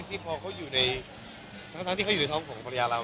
แต่เขาเป็นตัวอย่างโธงของภรรยาเรา